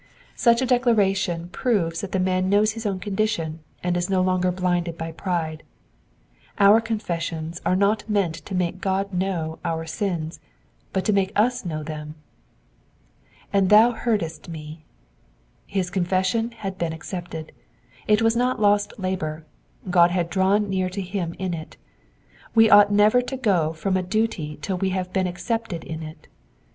Such a declaration proves that the man knows his own condition, and is no longer blinded by pride. Our confessions are not meant to make God know our sins, but to make us know them. ^^And thou heardesi m^." His confession had been accepted ; it was not lost labour ; God had drawn near to him in it. We ought never to go from a duty till we have been accepted in it.